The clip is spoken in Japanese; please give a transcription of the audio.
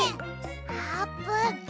あーぷん！